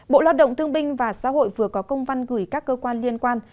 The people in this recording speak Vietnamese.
bộ lao động thương binh và xã hội vừa có công văn gửi các cơ quan liên quan